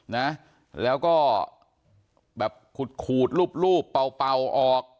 นะแล้วก็แบบขูดขูดรูปรูปเป่าเป่าออก